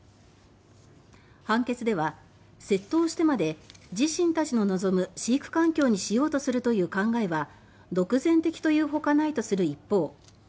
判決では「窃盗をしてまで自身たちの望む飼育環境にしようとするという考えは独善的というほかない」とする一方